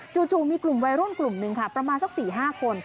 จู่มีกลุ่มวัยรุ่นกลุ่มหนึ่งค่ะประมาณสัก๔๕คน